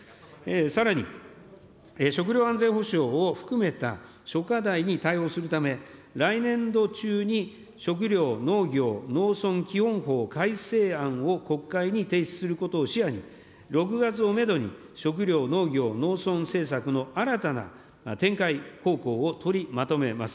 さらに、食料安全保障を含めた諸課題に対応するため、来年度中に食料農業農林基本法改正案も国会に提出することを視野に、６月をメドに、食料農業農村政策の新たな展開方向を取りまとめます。